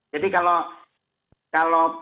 jadi kalau kalau